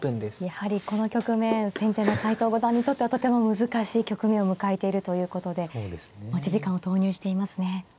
やはりこの局面先手の斎藤五段にとってはとても難しい局面を迎えているということで持ち時間を投入していますね。